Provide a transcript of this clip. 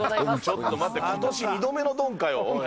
ちょっと待って、ことし２度目のドンかよ、おい。